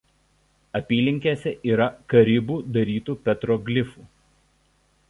Apylinkėse yra karibų darytų petroglifų.